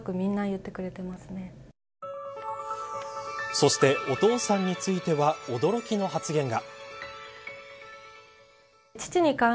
そして、お父さんについては驚きの発言が。